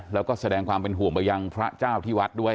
แล้วก็แสดงความเป็นห่วงไปยังพระเจ้าที่วัดด้วย